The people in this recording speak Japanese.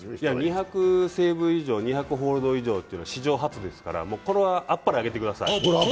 ２００セーブ以上、２００ホールド以上というのは、史上初ですから、これはあっぱれをあげてください。